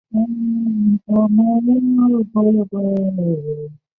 该物种的模式产地在菲律宾。